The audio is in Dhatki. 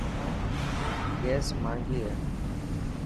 گيس ماهنگي هي.